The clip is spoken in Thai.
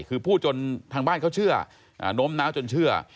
คือพูดจนทางบ้านเขาเชื่อโน้มน้าวจนเชื่อ